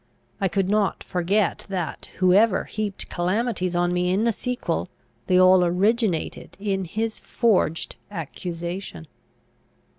I could not forget that, whoever heaped calamities on me in the sequel, they all originated in his forged accusation.